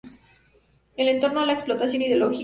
En torno a la explotación ideológica.